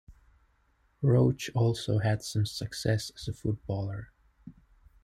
Roach also had some success as a footballer.